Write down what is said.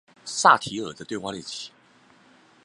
薩提爾的對話練習